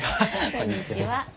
こんにちは。